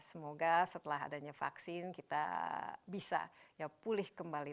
semoga setelah adanya vaksin kita bisa ya pulih kembali